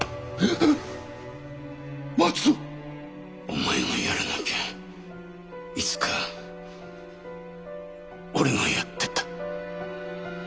お前がやらなきゃいつか俺がやってた。